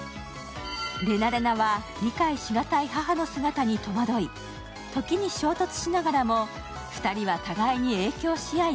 レナレナは理解しがたい母の姿に戸惑い時に衝突しながらも２人は互いに影響し合い